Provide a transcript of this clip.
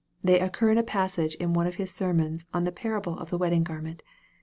They occur in a passage in one of his sermons on the par able of the wedding garment.